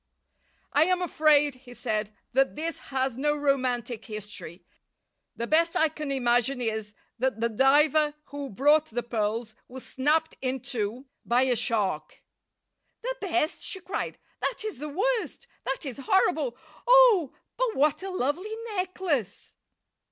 "I am afraid," he said, "that this has no romantic history. The best I can imagine is that the diver who brought the pearls was snapped in two by a shark." "The best?" she cried. "That is the worst! That is horrible! Oh! but what a lovely necklace!"